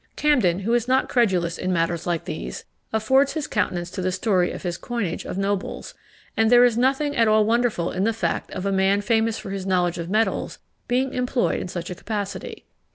Camden, who is not credulous in matters like these, affords his countenance to the story of his coinage of nobles; and there is nothing at all wonderful in the fact of a man famous for his knowledge of metals being employed in such a capacity.